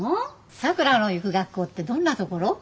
さくらの行く学校ってどんなところ？